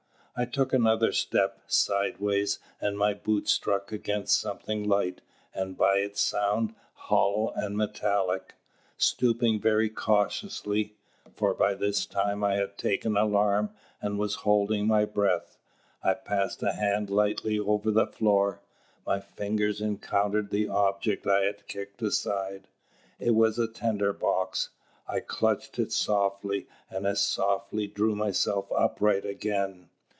I took another step, sideways, and my boot struck against something light, and, by its sound, hollow and metallic. Stooping very cautiously for by this time I had taken alarm and was holding my breath I passed a hand lightly over the floor. My fingers encountered the object I had kicked aside. It was a tinder box. I clutched it softly, and as softly drew myself upright again.